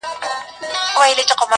اشرف المخلوقات یم ما مېږی وژلی نه دی,